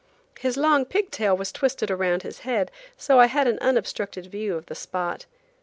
His long pig tail was twisted around his head, so I had an unobstructed view of the spot.